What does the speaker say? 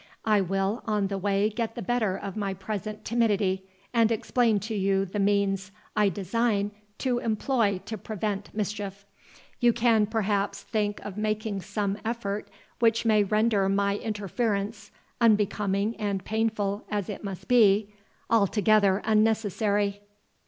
I will on the way get the better of my present timidity, and explain to you the means I design to employ to prevent mischief. You can perhaps think of making some effort which may render my interference, unbecoming and painful as it must be, altogether unnecessary."